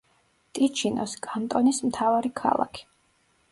ტიჩინოს კანტონის მთავარი ქალაქი.